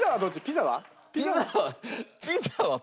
ピザは。